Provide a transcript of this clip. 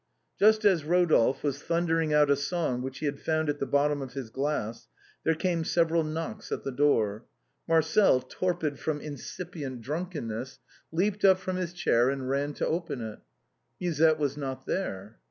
Just as Rodolphe was thundering out a song which he had found at the bottom of his glass, there came several knocks at the door. Marcel, torpid from incipient drunk 264 THE BOHEMIANS OF THE LATIN QUAETEE. enness, leaped up from his chair, and ran to open it. Mu sette was not there.